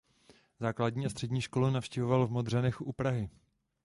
Základní a střední školu navštěvoval v Modřanech u Prahy.